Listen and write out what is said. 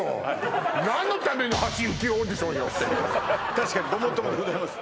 確かにごもっともでございます